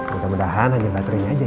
mudah mudahan hanya baterainya aja